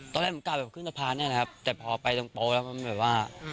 ตอนแรกผมกลับไปขึ้นสะพานเนี่ยนะครับแต่พอไปตรงโป๊แล้วมันแบบว่า